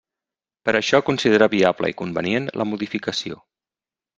Per això considera viable i convenient la modificació.